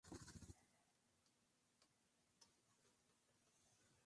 Un vez girada la pieza debe ser movida, capturar o ser capturada.